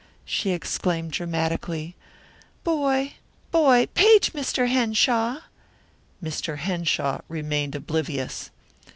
she exclaimed dramatically. "Boy, boy, page Mr. Henshaw." Mr. Henshaw remained oblivious.